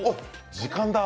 時間だ。